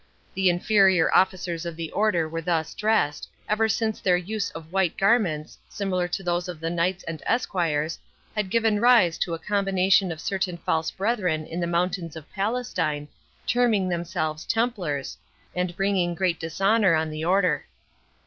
The inferior officers of the Order were thus dressed, ever since their use of white garments, similar to those of the knights and esquires, had given rise to a combination of certain false brethren in the mountains of Palestine, terming themselves Templars, and bringing great dishonour on the Order.